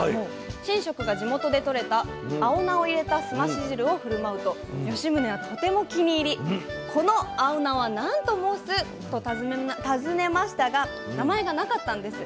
神職が地元で取れた青菜を入れたすまし汁を振る舞うと吉宗はとても気に入り「この青菜はなんと申す」と尋ねましたが名前がなかったんです。